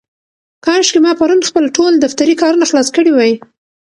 کاشکې ما پرون خپل ټول دفترې کارونه خلاص کړي وای.